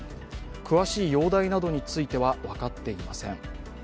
詳しい容体などについては分かっていません。